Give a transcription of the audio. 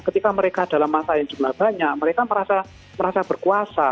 ketika mereka dalam masa yang jumlah banyak mereka merasa berkuasa